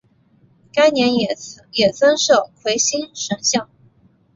该年也增设魁星神像。